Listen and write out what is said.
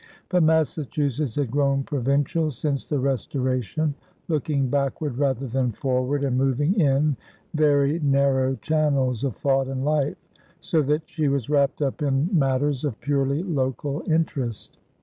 But Massachusetts had grown provincial since the Restoration, looking backward rather than forward and moving in very narrow channels of thought and life, so that she was wrapped up in matters of purely local interest.